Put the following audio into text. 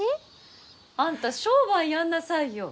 あんた商売やんなさいよ。